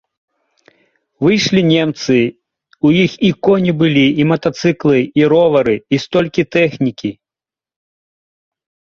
Выйшлі немцы, у іх і коні былі, і матацыклы, і ровары, і столькі тэхнікі.